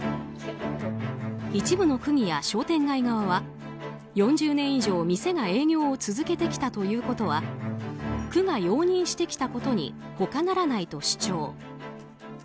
一部の区議や商店街側は４０年以上店が営業を続けてきたということは区が容認してきたことに他ならないと主張。